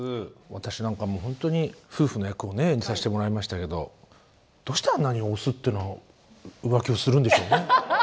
私なんかもう本当に夫婦の役をね演じさせてもらいましたけどどうしてあんなにオスっていうのは浮気をするんでしょうね。